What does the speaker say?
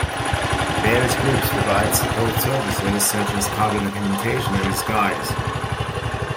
Various groups provide support services, such as cover documentation and disguise.